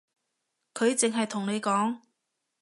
佢淨係同你講